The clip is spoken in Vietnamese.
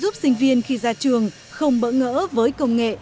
điều này sẽ giúp sinh viên khi ra trường không bỡ ngỡ với công nghệ